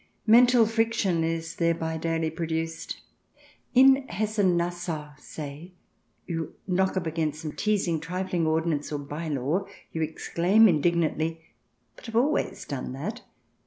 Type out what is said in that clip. Mental friction is thereby daily produced. In Hessen Nassau, say, you knock up against some teasing, trifling ordinance or bye law ! You exclaim indig nantly, *' But I've always done that